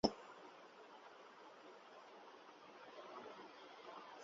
সেনাবাহিনী ছয়টি operational command এবং একটি প্রশিক্ষণ কমান্ড পরিচালনা করে।